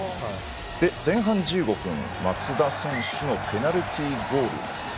前半１５分松田選手のペナルティーゴール。